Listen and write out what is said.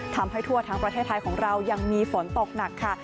ทำให้ทั่วทั้งประเทศไทยของเรายังมีฝนตกหนักค่ะ